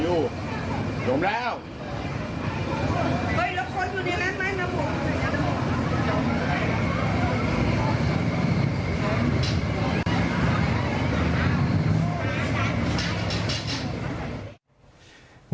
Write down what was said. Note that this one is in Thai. เฮ้ยลูกคนดูนี่แม่งน้ำห่วง